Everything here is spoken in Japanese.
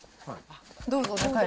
どうぞ。